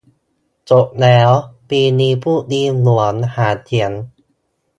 จบแล้ว ปีนี้พูดดีเหมือนหาเสียง